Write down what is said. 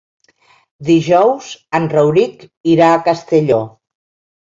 Dijous en Rauric irà a Castelló.